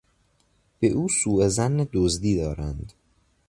به او سوظن دزدی دارند.